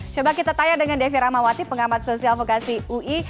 coba kita tanya dengan devi ramawati pengamat sosial vokasi ui